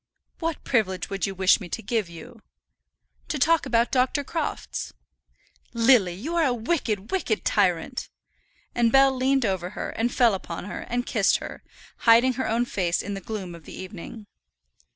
"What privilege would you wish me to give you?" "To talk about Dr. Crofts." "Lily, you are a wicked, wicked tyrant." And Bell leaned over her, and fell upon her, and kissed her, hiding her own face in the gloom of the evening.